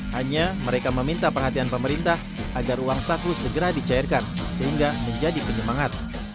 hanya mereka meminta perhatian pemerintah agar uang saku segera dicairkan sehingga menjadi penyemangat